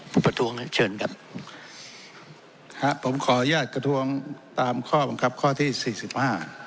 คุณประธวงเชิญครับครับผมขอแยกกระทวงตามข้อบังคับข้อที่สี่สิบห้า